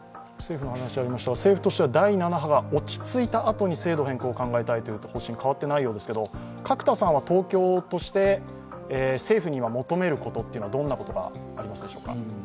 政府としては第７波が落ち着いたあとに制度変更を考えたいという方針変わっていないようですけど角田さんは東京として政府に今、求めることはどんなことがありますか？